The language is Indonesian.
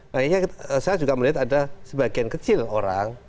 nah ini saya juga melihat ada sebagian kecil orang